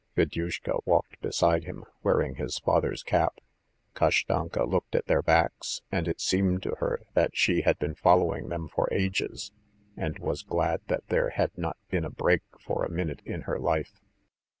Fedyushka walked beside him, wearing his father's cap. Kashtanka looked at their backs, and it seemed to her that she had been following them for ages, and was glad that there had not been a break for a minute in her life.